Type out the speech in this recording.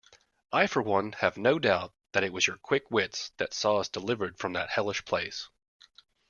I for one have no doubt that it was your quick wits that saw us delivered from that hellish place.